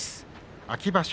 秋場所